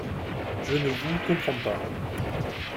Je ne vous comprends pas.